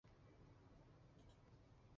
甄辅廷是一名清朝政治人物。